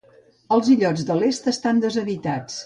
Els illots de l'est estan deshabitats.